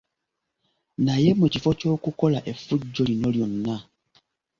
Naye mu kifo ky’okukola effujjo lino lyonna,